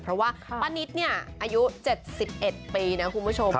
เพราะว่าป้านิตเนี่ยอายุ๗๑ปีนะคุณผู้ชม